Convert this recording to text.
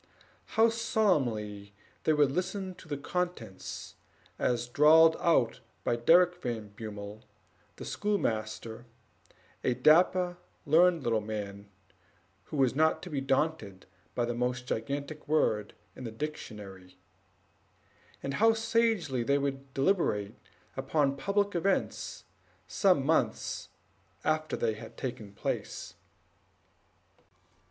How solemnly they would listen to the contents, as drawled out by Derrick Van Bummel, the schoolmaster, a dapper, learned little man, who was not to be daunted by the most gigantic word in the dictionary; and how sagely they would deliberate upon public events some months after they had taken place.